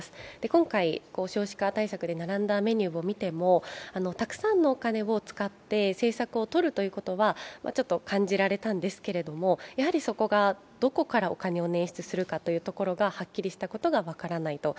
今回、少子化対策で並んだメニューを見てもたくさんのお金を使って政策をとるということはちょっと感じられたんですけど、どこからお金を捻出するかということが、はっきりしたことが分からないと。